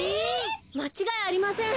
まちがいありません。